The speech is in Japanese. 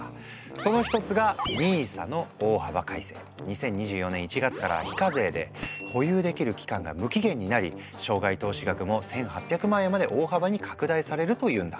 その一つが２０２４年１月から非課税で保有できる期間が無期限になり生涯投資額も１，８００万円まで大幅に拡大されるというんだ。